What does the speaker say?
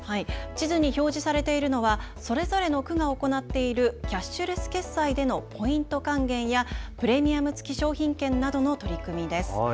地図に表示されているのはそれぞれの区が行っているキャッシュレス決済でのポイント還元やプレミアム付き商品券などの取り組みです。